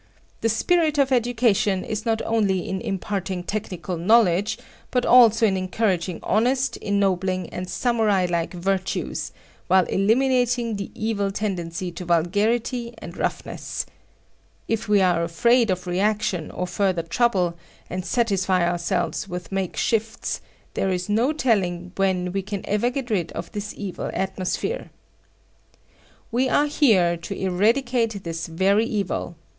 The spirit of education is not only in imparting technical knowledges, but also in encouraging honest, ennobling and samurai like virtues, while eliminating the evil tendency to vulgarity and roughness. If we are afraid of reaction or further trouble, and satisfy ourselves with make shifts, there is no telling when we can ever get rid of this evil atmosphere[G]. We are here to eradicate this very evil.